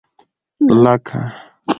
لکه.